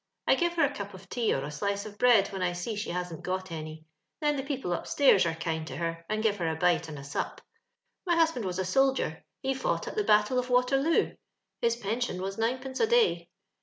I give her a cup of tea or a slice of bread when I see she hasn't got any. Then the people up stairs are kind to her, and give her a bite and a sup. *■'' My husband was a soldier ; he fought at the battle of Waterloo. His pension was ninepenca a day.